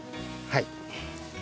はい。